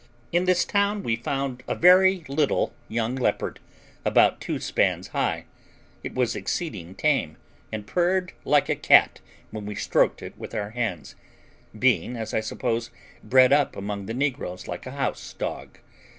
In this town we found a very little young leopard, about two spans high; it was exceeding tame, and purred like a cat when we stroked it with our hands, being, as I suppose, bred up among the negroes like a house dog.